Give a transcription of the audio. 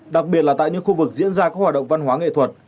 đặc biệt là tại những khu vực diễn ra các hoạt động văn hóa nghệ thuật